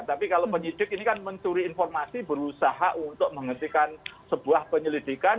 tapi kalau penyidik ini kan mencuri informasi berusaha untuk menghentikan sebuah penyelidikan